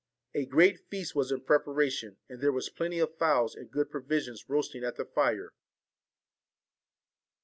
A great feast was in preparation, and there were plenty of fowls and good provisions roasting at the fire.